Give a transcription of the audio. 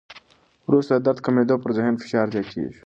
وروسته د درد کمېدو، پر ذهن فشار زیاتېږي.